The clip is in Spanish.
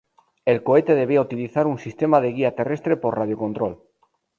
El cohete debía utilizar un sistema de guía terrestre por radio control.